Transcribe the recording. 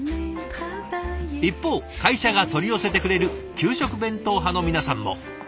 一方会社が取り寄せてくれる給食弁当派の皆さんも。